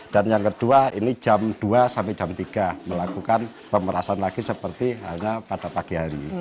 dan yang kedua ini jam dua sampai jam tiga melakukan pemerasan lagi seperti pada pagi hari